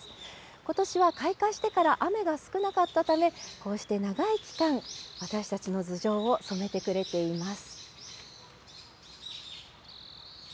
ことしは開花してから雨が少なかったため、こうして長い期間、私たちの頭上をそめてくれています。